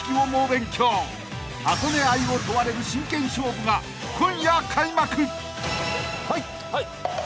［箱根愛を問われる真剣勝負が今夜開幕！］